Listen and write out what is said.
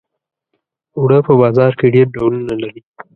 اوړه په بازار کې ډېر ډولونه لري